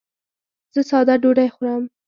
زه ساده ډوډۍ خورم.